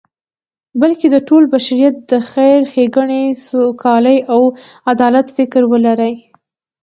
بلکی د ټول بشریت د خیر، ښیګڼی، سوکالی او عدالت فکر ولری